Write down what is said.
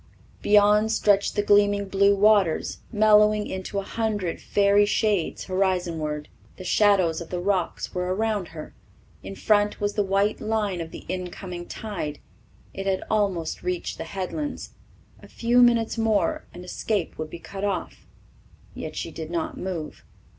Beyond stretched the gleaming blue waters, mellowing into a hundred fairy shades horizonward. The shadows of the rocks were around her. In front was the white line of the incoming tide; it had almost reached the headlands. A few minutes more and escape would be cut off yet she did not move.